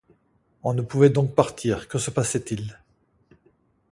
On ne pouvait donc partir, que se passait-il ?